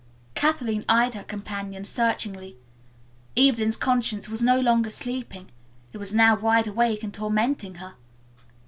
Kathleen eyed her companion searchingly. Evelyn's conscience was no longer sleeping. It was now wide awake and tormenting her.